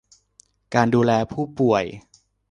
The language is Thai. การดูแลผู้ป่วย